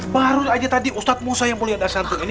baru aja tadi ustaz musa yang mulia dasyatun ini